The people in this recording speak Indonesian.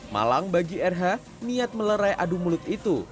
malang bagi rh niat melerai adu mulut itu